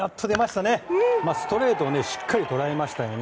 ストレートをしっかり捉えましたよね。